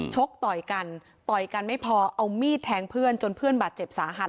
ชกต่อยกันต่อยกันไม่พอเอามีดแทงเพื่อนจนเพื่อนบาดเจ็บสาหัส